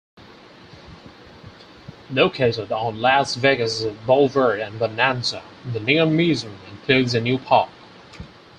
Located on Las Vegas Boulevard and Bonanza, the Neon Museum includes a new park.